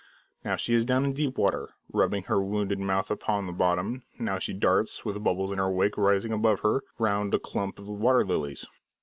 Now she is down in deep water, rubbing her wounded mouth upon the bottom, now she darts, with the bubbles in her wake rising above her, round a clump of water lilies.